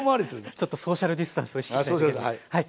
ちょっとソーシャルディスタンスを意識しないといけない。